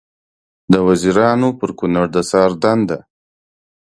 د وزیرانو پر کړنو د څار دنده